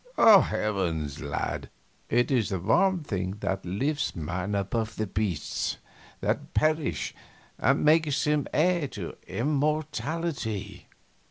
Heavens! lad, it is the one thing that lifts man above the beasts that perish and makes him heir to immortality!"